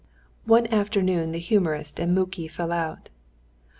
One afternoon the humorist and Muki fell out.